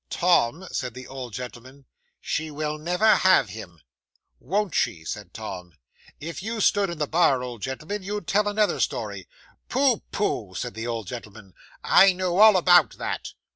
'"Tom," said the old gentleman; "she will never have him." '"Won't she?" said Tom. "If you stood in the bar, old gentleman, you'd tell another story." '"Pooh, pooh," said the old gentleman. "I know all about that."